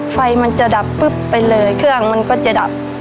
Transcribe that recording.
ไฟมันจะดับปุ๊บไปเลยเครื่องมันก็จะดับ